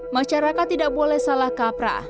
masyarakat tidak boleh salah kaprah